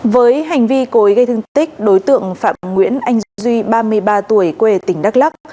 với hành vi cối gây thương tích đối tượng phạm nguyễn anh duy ba mươi ba tuổi quê tỉnh đắk lắc